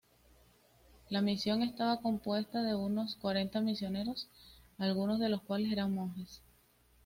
La misión estaba compuesta de unos cuarenta misioneros, algunos de los cuales eran monjes.